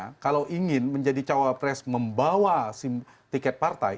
karena kalau ingin menjadi cawapres membawa tiket partai